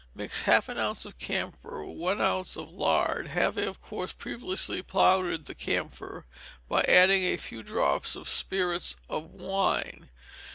Mix half an ounce of camphor with one ounce of lard, having, of course, previously powdered the camphor, by adding a few drops of spirits of wine.